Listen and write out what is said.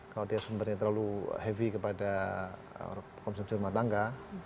kalau dia sumbernya terlalu heavy kepada konsumsi rumah tangga